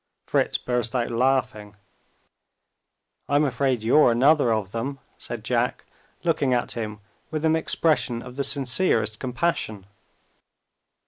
Fritz burst out laughing. "I'm afraid you're another of them," said Jack, looking at him with an expression of the sincerest compassion.